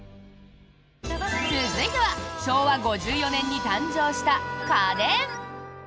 続いては昭和５４年に誕生した家電。